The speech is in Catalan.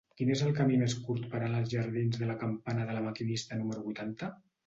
Quin és el camí més curt per anar als jardins de la Campana de La Maquinista número vuitanta?